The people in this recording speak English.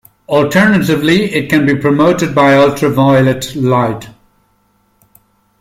Alternatively, it can be promoted by ultraviolet light.